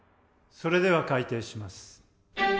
それでは開廷します。